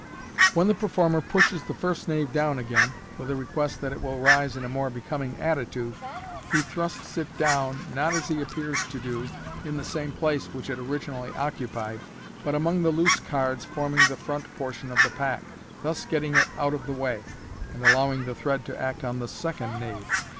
When the performei pushes the first knave down again, with a request that it will rise in a more becoming attitude, ha thrusts it down, not as he appears to do, in the same place which ii originally occupied, but among the loose cards forming the front portion of the pack, thus getting it out of the way, and allowing the thread to act on the second knave.